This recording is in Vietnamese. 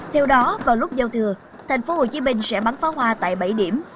theo đó vào lúc giao thừa thành phố hồ chí minh sẽ bắn pháo hoa tại bảy điểm